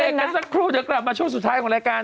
กันสักครู่เดี๋ยวกลับมาช่วงสุดท้ายของรายการ